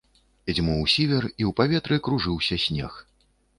Дзьмуў сівер, і ў паветры кружыўся снег.